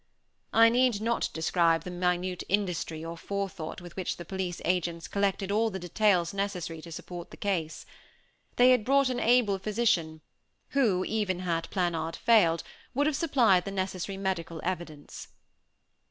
I need not describe the minute industry or forethought with which the police agents collected all the details necessary to support the case. They had brought an able physician, who, even had Planard failed, would have supplied the necessary medical evidence.